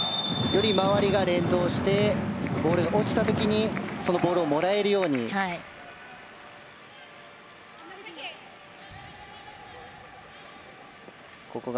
より周りが連動してボールが落ちた時にそのボールをもらえるようにと。